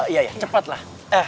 iya iya cepatlah